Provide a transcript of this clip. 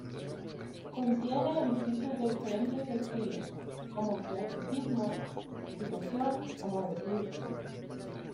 Contiene edificios de diferentes estilos, como clasicismo, secesión o modernismo.